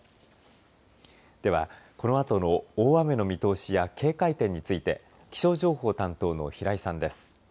では、このあとの大雨の見通しや警戒点について気象情報担当の平井さんです。